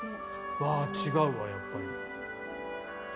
わあ、違うわ、やっぱり。